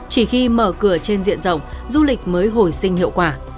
chỉ khi mở cửa trên diện rộng du lịch mới hồi sinh hiệu quả